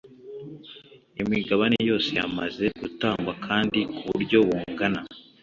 imigabane yose yamaze gutangwa kandi kuburyo bungana